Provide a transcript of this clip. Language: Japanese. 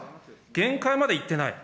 限界までいってない。